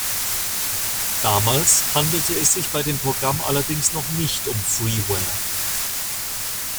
Damals handelte es sich bei dem Programm allerdings noch nicht um Freeware.